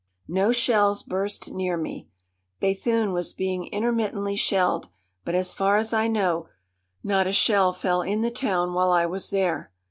No shells burst near me. Béthune was being intermittently shelled, but as far as I know not a shell fell in the town while I was there.